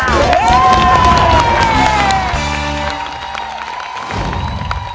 เย้